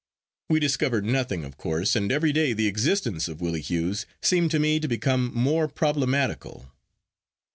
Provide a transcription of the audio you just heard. We discovered nothing, of course, and every day the existence of Willie Hughes seemed to me to become more problematical.